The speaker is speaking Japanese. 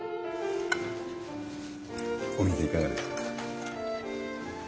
お水いかがですか？